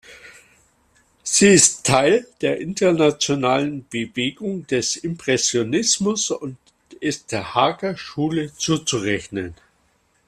Sie ist Teil der internationalen Bewegung des Impressionismus und ist der Haager Schule zuzurechnen.